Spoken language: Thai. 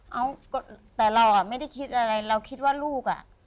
เอาแต่เราอ่ะไม่ได้คิดอะไรเราคิดว่าลูกอ่ะ